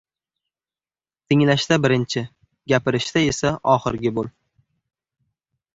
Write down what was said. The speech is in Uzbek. Tinglashda birinchi, gapirishda esa oxirgi bo‘l.